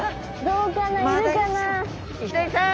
どうかな？